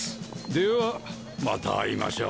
ではまた会いましょう。